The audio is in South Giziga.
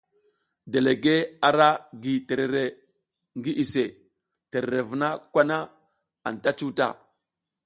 Delegue ara gi terere ngi iʼse, terere vuna kwa na anta cuta.